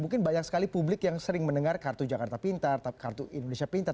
mungkin banyak sekali publik yang sering mendengar kartu jakarta pintar kartu indonesia pintar